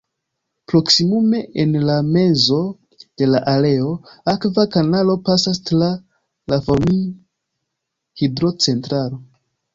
Proksimume en la mezo de la areo, akva kanalo pasas tra la Formin-hidro-centralo.